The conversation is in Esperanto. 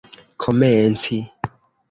komenci